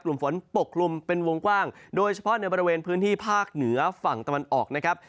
กลุ่มฝนปกคลุมเป็นวงกว้างโดยเฉพาะในบริเวณพื้นที่ภาคเหนือฝั่งตะวันออกนะครับ